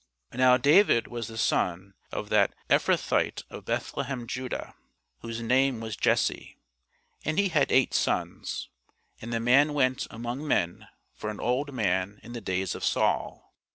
Now David was the son of that Ephrathite of Bethlehem judah, whose name was Jesse; and he had eight sons: and the man went among men for an old man in the days of Saul.